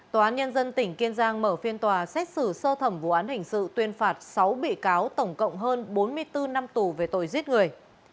tòa án nhân dân tỉnh kiên giang mở phiên tòa xét xử sơ thẩm vụ án hình sự tuyên phạt sáu bị cáo tổng cộng hơn bốn mươi bốn năm tù về tội giết người